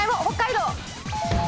北海道！